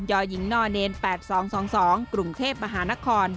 ยยน๘๒๒๒กรุงเทพมหานคร